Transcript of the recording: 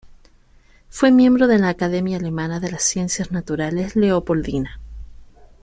Fue miembro de la Academia alemana de las ciencias naturales Leopoldina.